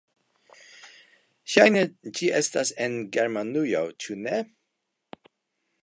Ŝajne ĝi estas en Germanio, ĉu ne?